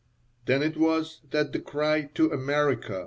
Then it was that the cry "To America!"